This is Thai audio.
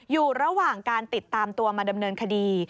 อยู่ระหว่างการติดตามตัวมาดำเนินคดี